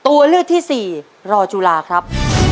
ตัวเลือกที่สี่รอจุฬาครับ